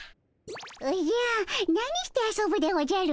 おじゃ何して遊ぶでおじゃる？